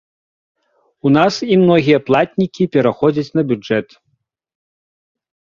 У нас і многія платнікі пераходзяць на бюджэт.